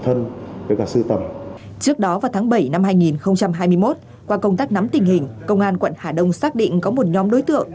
trước đó vào tháng bảy năm hai nghìn hai mươi một qua công tác nắm tình hình công an quận hà đông xác định có một nhóm đối tượng